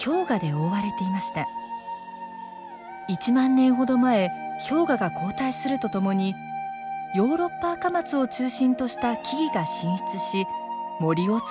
１万年ほど前氷河が後退するとともにヨーロッパアカマツを中心とした木々が進出し森をつくったのです。